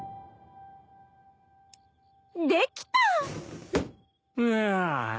できた！